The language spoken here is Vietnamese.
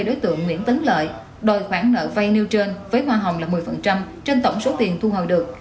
đối tượng nguyễn tấn lợi đòi khoản nợ vay nêu trên với hoa hồng là một mươi trên tổng số tiền thu hồi được